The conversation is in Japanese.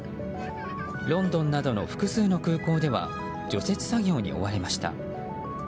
ロンドンなどの複数の空港では除雪作業に追われました。